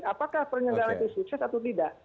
apakah penyelenggaraannya sukses atau tidak